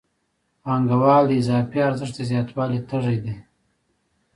پانګوال د اضافي ارزښت د زیاتوالي تږی دی